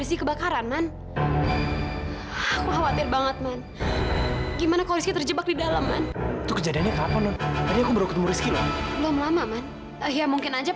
sampai jumpa di video selanjutnya